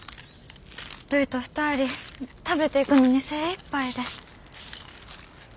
るいと２人食べていくのに精いっぱいで。